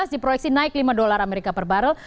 di proyeksi naik lima dolar amerika per barrel